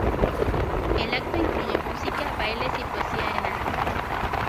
El acto incluye música, bailes y poesía en árabe.